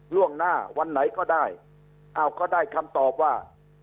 ล่วงหน้าวันไหนก็ได้อ้าวก็ได้คำตอบว่า